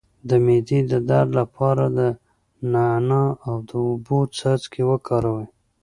د معدې د درد لپاره د نعناع او اوبو څاڅکي وکاروئ